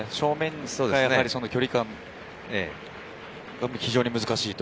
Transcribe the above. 正面は距離感、非常に難しいと。